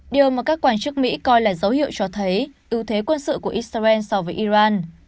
điều mà các quan chức mỹ coi là dấu hiệu cho thấy ưu thế quân sự của israel so với iran